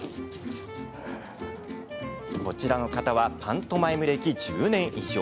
こちらの方はパントマイム歴１０年以上。